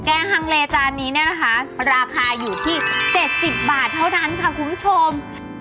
ฮังเลจานนี้เนี่ยนะคะราคาอยู่ที่๗๐บาทเท่านั้นค่ะคุณผู้ชม